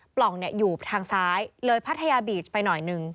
ปล่องอยู่ทางซ้ายเลยพัทยาบีชไปหน่อยหนึ่ง